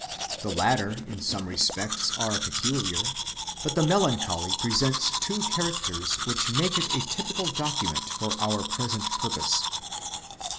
The latter in some respects are peculiar; but the melancholy presents two characters which make it a typical document for our present purpose.